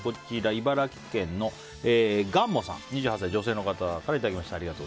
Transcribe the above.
茨城県の２８歳女性の方からいただきました。